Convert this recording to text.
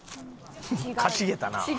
かしげたな。